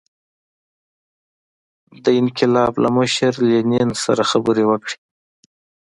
د انقلاب له مشر لینین سره خبرې وکړي.